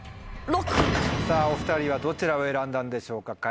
さぁお２人はどちらを選んだんでしょうか？